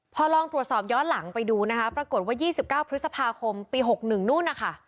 พอลองตรวจสอบย้อนหลังไปดูนะคะปรากฏว่า๒๙พฤษภาคมปี๖๑นู่นนะคะ